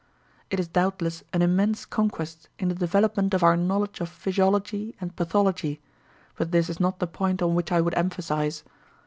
"It is doubtless an immense conquest in the development of our knowledge of physiology and pathology, but this is not the point on which I would emphasize.